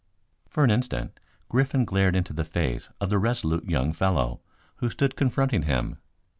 "] For an instant Griffin glared into the face of the resolute young fellow who stood confronting him.